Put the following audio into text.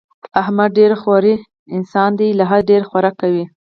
احمد ډېر خوری انسان دی، له حده ډېر خوراک کوي.